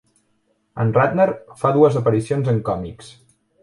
En Radner fa dues aparicions en còmics.